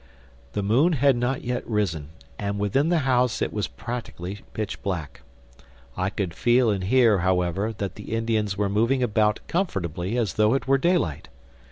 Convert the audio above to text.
The moon had not yet risen and within the house it was practically pitch black. I could feel and hear, however, that the Indians were moving about comfortably as though it were daylight.